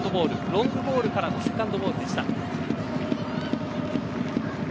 ロングボールからのセカンドボールでした。